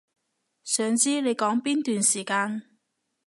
想知你講邊段時間